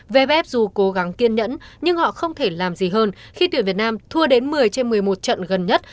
vpf dù cố gắng kiên nhẫn nhưng họ không thể làm gì hơn khi tuyển việt nam thua đến một mươi trên một mươi một trận gần nhất